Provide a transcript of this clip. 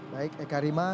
baik eka rima